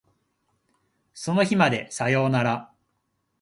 その日までさよなら